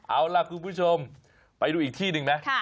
เอาล่ะคุณผู้ชมไปดูอีกที่หนึ่งไหม